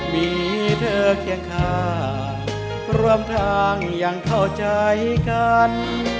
มีเธอเคียงข้างรวมทางอย่างเข้าใจกัน